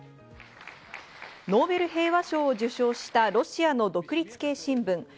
ノーベル平和賞を受賞したロシアの独立系新聞